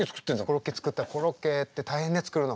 コロッケ作ったらコロッケって大変ね作るの。